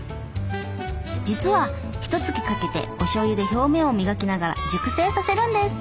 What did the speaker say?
実はひとつきかけておしょうゆで表面を磨きながら熟成させるんです。